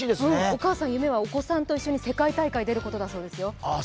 お母さん、夢はお子さんと一緒に世界大会に出ることだそうですよ。